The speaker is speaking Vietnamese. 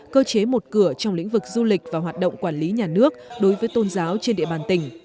cơ chế một cửa trong lĩnh vực du lịch và hoạt động quản lý nhà nước đối với tôn giáo trên địa bàn tỉnh